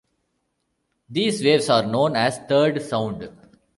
These waves are known as third sound.